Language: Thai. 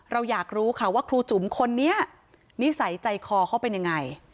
เราอยากรู้ค่ะว่าครูจุ๋มคนนี้นิสัยใจคอเขาเป็นยังไง